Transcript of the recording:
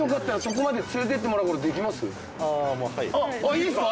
いいですか？